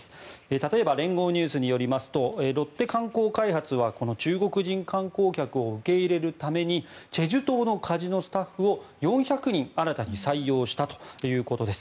例えば連合ニュースによりますとロッテ観光開発はこの中国人観光客を受け入れるために済州島のカジノスタッフを４００人新たに採用したということです。